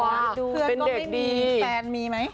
เป็นเด็กดีเพื่อนก็ไม่มีแฟนมีไหม